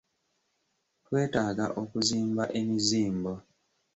Twetaaga okuzimba emizimbo.